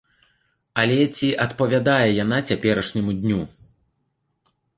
Але ці адпавядае яна цяперашняму дню?